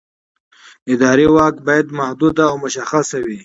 اداري واک باید محدود او مشخص وي.